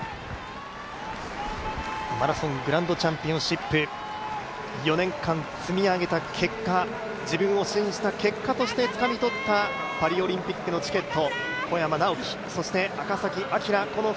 マラソングランドチャンピオンシップ４年間積み上げた結果、自分を信じた結果として、つかみ取ったパリオリンピックのチケット。